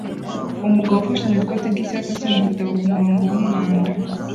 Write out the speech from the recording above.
Umugabo ufashe mwikoti ryicyatsi asoma igitabo kumurongo wumwanda